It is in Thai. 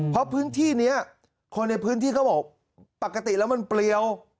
เพราะพื้นที่นี้คนในพื้นที่เขาบอกปกติแล้วมันเปรียว